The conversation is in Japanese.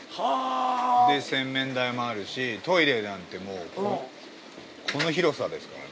洗面台もあるしトイレなんてもうこの広さですからね。